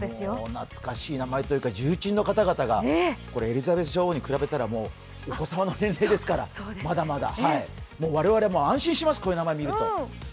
懐かしい名前というか重鎮の方々がエリザベス女王に比べたらお子様の年齢ですから、まだまだ、もう我々も安心します、こういう名前を見ると。